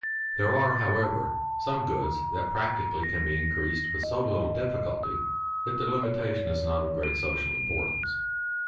There are, however, some goods that practically can be increased with so little difficulty that their limitation is not of great social importance.